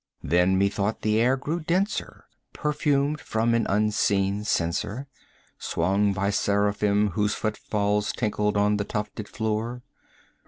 Then, methought, the air grew denser, perfumed from an unseen censer Swung by seraphim whose foot falls tinkled on the tufted floor.